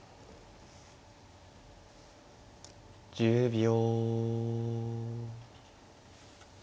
１０秒。